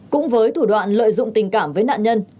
cũng với thủ đoạn lợi dụng tình cảm với nạn nhân